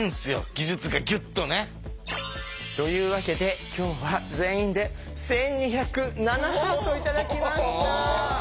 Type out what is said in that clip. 技術がギュッとね。というわけで今日は全員で１２０７ハート頂きました。